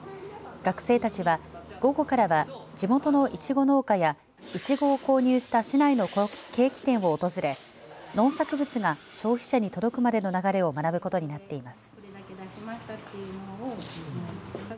学生たちは午後からは地元のいちご農家やいちごを購入した市内のケーキ店を訪れ農作物が消費者に届くまでの流れを学ぶことになっています。